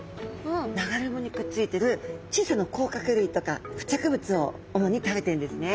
流れ藻にくっついてる小さな甲殻類とか付着物を主に食べてるんですね。